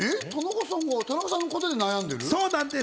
田中さんのことで悩んでる？